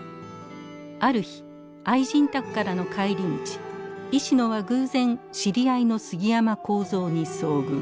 ある日愛人宅からの帰り道石野は偶然知り合いの杉山孝三に遭遇。